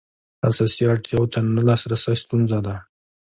اساسي اړتیاوو ته نه لاسرسی ستونزه ده.